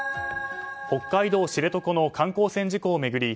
北海道知床の観光船事故を巡り